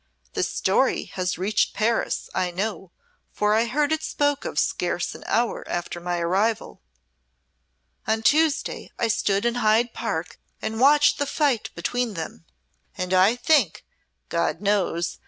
"The story has reached Paris, I know, for I heard it spoke of scarce an hour after my arrival. On Tuesday I stood in Hyde Park and watched the fight between them, and I think, God knows!